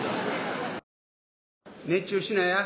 熱中しなや。